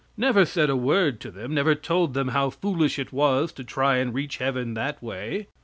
Never said a word to them; never told them how foolish it was to try and reach heaven that way.